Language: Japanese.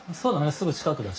すぐ近くだし。